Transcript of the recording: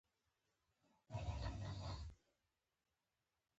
پابندي غرونه د افغانستان یو ستر طبعي ثروت ګڼل کېږي.